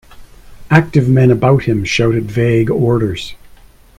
Active men about him shouted vague orders.